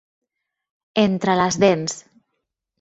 Entre les dents.